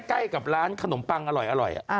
ใกล้กับร้านขนมปังอร่อย